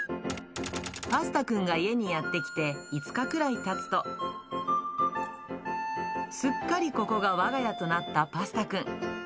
パスタくんが家にやって来て５日くらいたつと、すっかりここがわが家となったパスタくん。